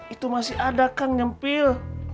itu masih ada kang nyempil